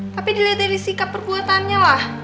tapi dilihat dari sikap perbuatannya lah